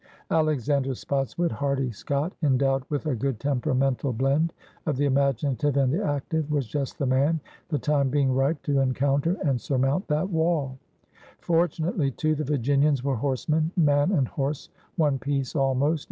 Alexander Spotswood, hardy Scot, endowed with a good temperamental blend of the imaginative and the active, was just the man, the time being ripe, to encounter and surmount that wall. For tunately, too, the Virginians were horsemen, man and horse one piece almost.